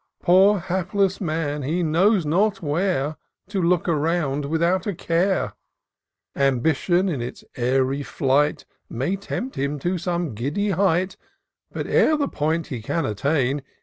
Poor hapless man ! he knows not where To look around without a care : Ambition, in its airy flight. May tempt him to some giddy height ; But, ere the point he can attain.